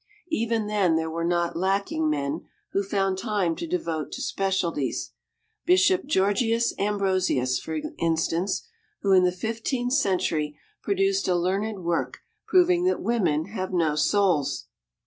Even then there were not lacking men who found time to devote to specialties: Bishop Georgius Ambrosius, for instance, who in the Fifteenth Century produced a learned work proving that women have no souls.